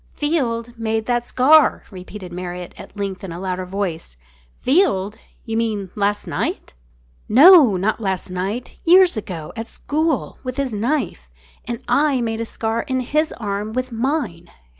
"Field made that scar!" repeated Marriott at length in a louder voice. "Field! You mean last night?" "No, not last night. Years ago at school, with his knife. And I made a scar in his arm with mine."